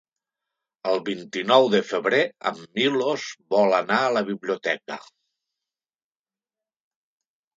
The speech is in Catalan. El vint-i-nou de febrer en Milos vol anar a la biblioteca.